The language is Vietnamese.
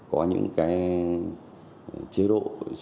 có những cái chế độ